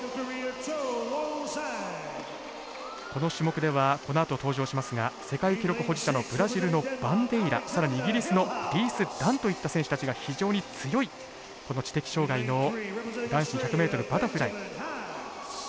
この種目ではこのあと登場しますが世界記録保持者のブラジルのバンデイラ更にイギリスのリース・ダンといった選手たちが非常に強いこの知的障がいの男子１００ｍバタフライ。